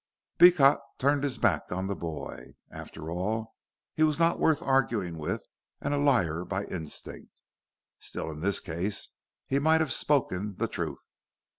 Beecot turned his back on the boy. After all, he was not worth arguing with, and a liar by instinct. Still, in this case he might have spoken the truth.